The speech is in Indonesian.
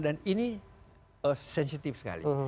dan ini sensitif sekali